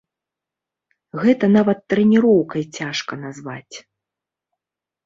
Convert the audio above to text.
Гэта нават трэніроўкай цяжка назваць.